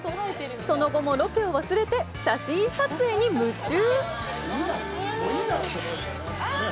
その後もロケを忘れて写真撮影に夢中！